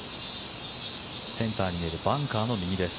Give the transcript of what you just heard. センターにいるバンカーの右です。